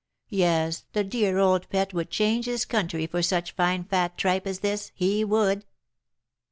Yes, the dear old pet would change his country for such fine fat tripe as this, he would."